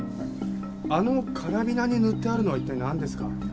あのカラビナに塗ってあるのは一体なんですか？